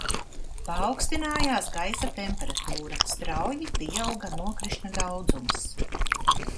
Paaugstinājās gaisa temperatūra, strauji pieauga nokrišņu daudzums.